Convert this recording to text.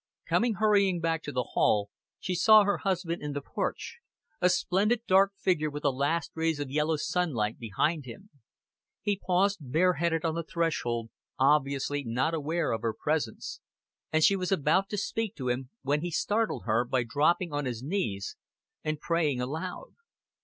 Coming hurrying back to the hall, she saw her husband in the porch, a splendid dark figure with the last rays of yellow sunlight behind him. He paused bare headed on the threshold, obviously not aware of her presence, and she was about to speak to him when he startled her by dropping on his knees and praying aloud.